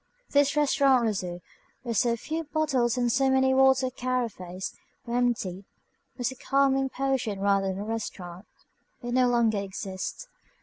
This Restaurant Rousseau, where so few bottles and so many water carafes were emptied, was a calming potion rather than a restaurant. It no longer exists.